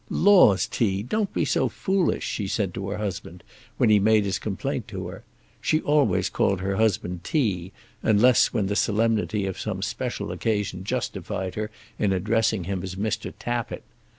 "Laws, T., don't be so foolish," she said to her husband, when he made his complaint to her. She always called her husband T., unless when the solemnity of some special occasion justified her in addressing him as Mr. Tappitt.